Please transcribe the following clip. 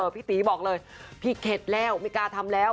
พี่ตีบอกเลยพี่เข็ดแล้วไม่กล้าทำแล้ว